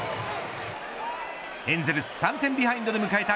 エンゼルス３点ビハインドで迎えた